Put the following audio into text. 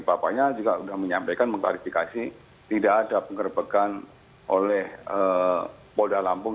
bapaknya juga sudah menyampaikan mengklarifikasi tidak ada pengerebekan oleh polda lampung